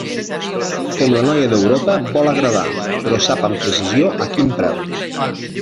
Com la noia d'Europa, vol agradar, però sap amb precisió a quin preu.